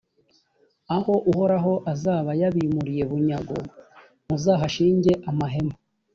aho uhoraho azaba yabimuriye bunyago muzahashinge amahema.